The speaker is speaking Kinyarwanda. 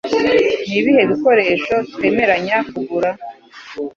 Ni ibihe bikoresho twemeranya kugura